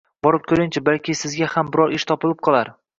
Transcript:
Borib ko`ring-chi, balki sizga ham biror ish topilib qolar